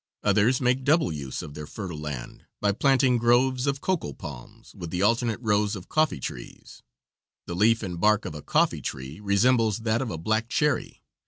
Others make double use of their fertile land by planting groves of cocoa palms with the alternate rows of coffee trees. The leaf and bark of a coffee tree resemble that of a black cherry.